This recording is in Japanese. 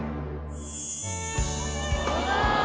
うわ。